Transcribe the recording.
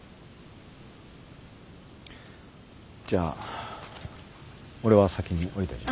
じゃあ俺は先に下りてる。